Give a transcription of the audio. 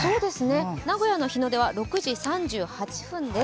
名古屋の日の出は６時３８分です。